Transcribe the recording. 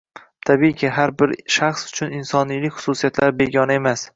Tabiiyki, har bir shaxs uchun insoniylik xususiyatlari begona emas: